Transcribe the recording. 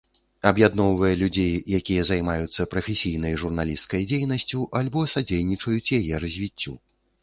Аб'ядноўвае людзей, якія займаюцца прафесійнай журналісцкай дзейнасцю альбо садзейнічаюць яе развіццю.